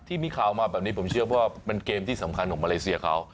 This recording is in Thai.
ที่มีข่าวมาแบบนี้ผมเชื่อว่าเป็นเกมที่สำคัญของมาเลเซียเขา